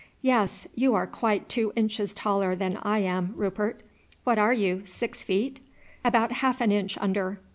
"Yes, you are quite two inches taller than I am, Rupert. What are you six feet?" "About half an inch under."